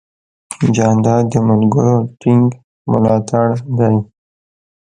جانداد د ملګرو ټینګ ملاتړ دی.